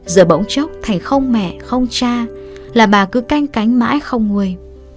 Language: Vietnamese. giờ bỗng chốc thành không mẹ không cha là bà cứ canh cánh mãi không người